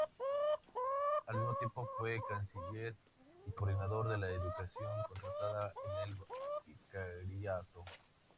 Al mismo tiempo fue Canciller y Coordinador de la educación contratada en el Vicariato.